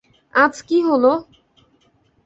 আজ কী হল?